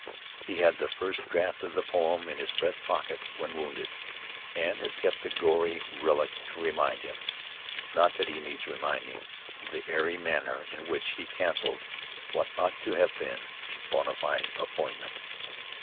He had the first draft of the poem in his breast pocket when wounded, and has kept the gory relic to remind him not that he needs reminding of the airy manner in which he canceled what ought to have been a bona fide appointment.